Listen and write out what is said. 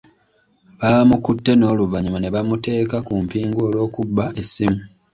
Baamukutte n'oluvannyuma ne bamuteeka ku mpingu olw'okubba essimu.